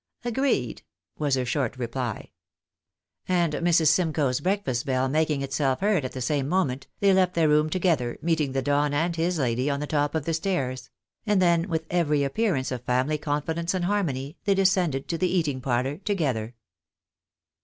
" Agreed," was her short reply. And Mrs. Simcoe's breakfast bell making itself heard at the same moment, they left their room together, meeting the Don and his lady on the top of the stairs ; and then, with every appearance of family confidence and harmony, they descended to the eating parlour together.